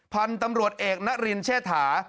พันธุ์ตำรวจเอกนรินเชษฐา